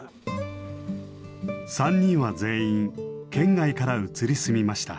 ３人は全員県外から移り住みました。